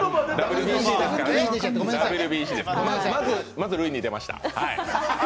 まず塁に出ました。